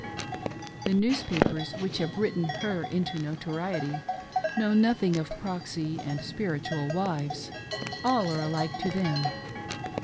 The newspapers which have written her into notoriety know noth ing of " proxy" and " ^iritual " wives. All are alike to them.